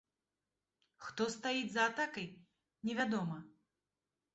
Хто стаіць за атакай, невядома.